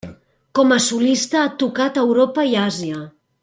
Com a solista ha tocat a Europa i Àsia.